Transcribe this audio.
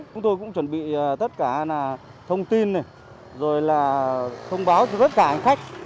chúng tôi cũng chuẩn bị tất cả thông tin rồi là thông báo cho tất cả khách